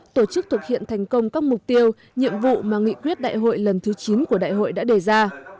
tổ chức thực hiện thành công các mục tiêu nhiệm vụ mà nghị quyết đại hội lần thứ chín của đại hội đã đề ra